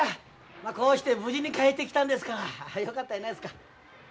まこうして無事に帰ってきたんですからよかったやないですか。